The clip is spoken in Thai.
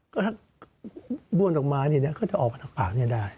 ก็ถ้าบ้วนออกมานี่ก็จะออกมาทางปากนี่ได้